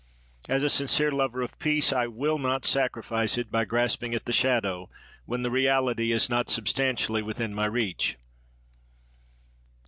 As a sincere lover of peace I will not sacrifice it by grasping at the shadow when the reality is not substantially with in my reach.